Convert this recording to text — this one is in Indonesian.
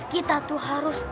kita tuh harus